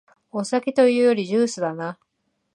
お酒というよりジュースだな